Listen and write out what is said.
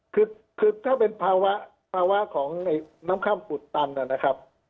คือถ้าเป็นภาวะภาวะของน้ำค่ำอุดตันนะครับ